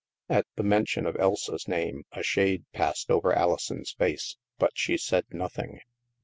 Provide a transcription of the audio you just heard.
At the mention of Elsa's name, a shade passed over Alison's face, but she said nothing.